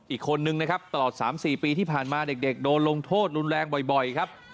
อีกคนนึงนะครับตลอด๓๔ปีที่ผ่านมาเด็กโดนลงโทษรุนแรงบ่อยครับ